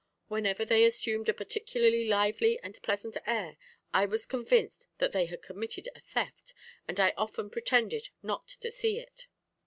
Whenever they assumed a particularly lively and pleasant air, I was convinced that they had committed a theft, and I often pretended not to see it."